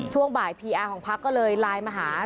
ช่วงบ่ายพีแอร์ของพักก็เลยไลน์มาหา